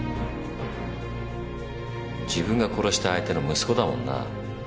自分が殺した相手の息子だもんな。